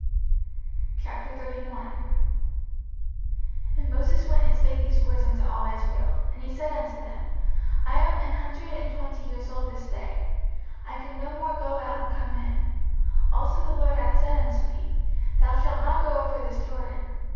05:031:001 And Moses went and spake these words unto all Israel. 05:031:002 And he said unto them, I am an hundred and twenty years old this day; I can no more go out and come in: also the LORD hath said unto me, Thou shalt not go over this Jordan.